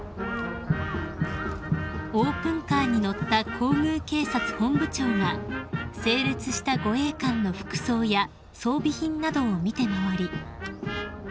［オープンカーに乗った皇宮警察本部長が整列した護衛官の服装や装備品などを見て回り］